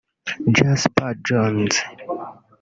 Jasper Johns